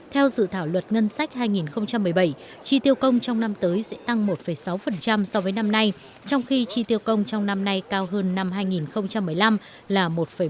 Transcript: theo dự thảo luật ngân sách hai nghìn một mươi bảy chi tiêu công trong năm tới sẽ tăng một sáu so với năm nay trong khi chi tiêu công trong năm nay cao hơn năm hai nghìn một mươi năm là một một mươi